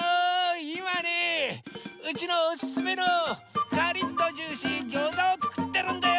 いまねえうちのおすすめのカリッとジューシーぎょうざをつくってるんだよ。